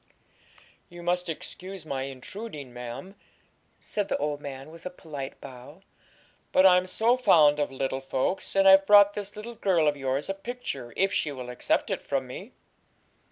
'You must excuse my intruding, ma'am,' said the old man, with a polite bow; 'but I'm so fond of little folks, and I've brought this little girl of yours a picture, if she will accept it from me.'